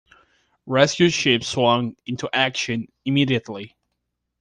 Rescue ships swung into action immediately.